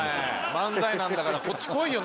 漫才なんだからこっち来いよ。